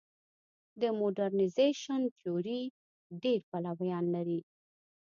د موډرنیزېشن تیوري ډېر پلویان لري.